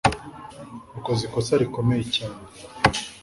Wakoze ikosa rikomeye cyane.